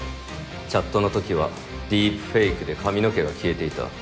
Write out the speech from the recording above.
チャットの時はディープフェイクで髪の毛が消えていた。